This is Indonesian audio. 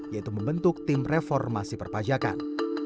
yaitu membentuk tim reformasi perpajakan